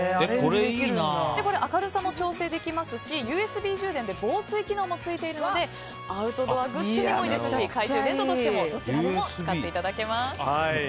明るさも調整できますしＵＳＢ充電で防水機能もついているのでアウトドアグッズにもいいですし懐中電灯としても使っていただけます。